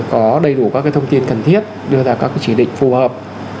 có đầy đủ các cái thông tin cần thiết đưa ra các cái chỉ định phù hợp